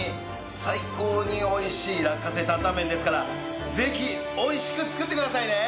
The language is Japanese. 最高に美味しい落花生担々麺ですからぜひ美味しく作ってくださいね！